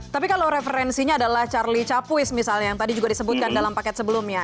tapi kalau referensinya adalah charlie capuis misalnya yang tadi juga disebutkan dalam paket sebelumnya